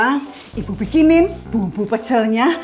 sekarang ibu bikinin bubuk pecelnya